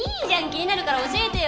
気になるから教えてよ！